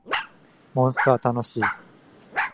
モンストは楽しい